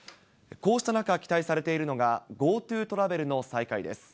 こうした中、期待されているのが、ＧｏＴｏトラベルの再開です。